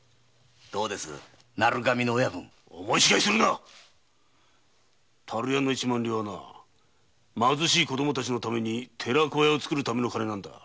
どうです思い違いをするな樽屋の一万両は貧しい子供たちのために寺子屋を作る金なんだ。